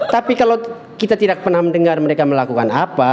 tapi kalau kita tidak pernah mendengar mereka melakukan apa